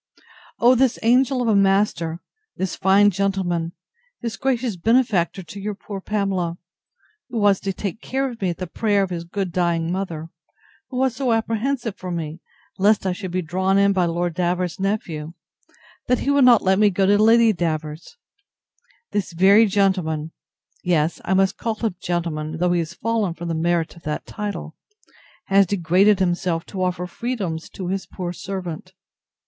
O this angel of a master! this fine gentleman! this gracious benefactor to your poor Pamela! who was to take care of me at the prayer of his good dying mother; who was so apprehensive for me, lest I should be drawn in by Lord Davers's nephew, that he would not let me go to Lady Davers's: This very gentleman (yes, I must call him gentleman, though he has fallen from the merit of that title) has degraded himself to offer freedoms to his poor servant!